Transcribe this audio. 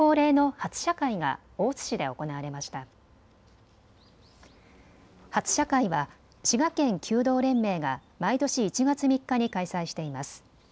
初射会は滋賀県弓道連盟が毎年１月３日に開催しています。